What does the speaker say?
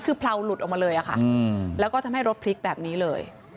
คือเผลาหลุดออกมาเลยค่ะแล้วก็ทำให้รถพลิกแบบนี้เลย